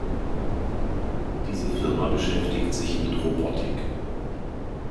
Diese Firma beschäftigt sich mit Robotik.